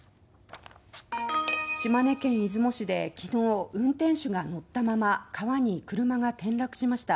島根県出雲市で昨日運転手が乗ったまま川に車が転落しました。